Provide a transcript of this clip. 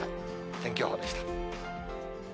天気予報でした。